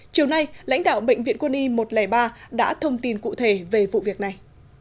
chiều nay lãnh đạo bệnh viện quân y một trăm linh ba đã thông tin cụ thể về vụ việc này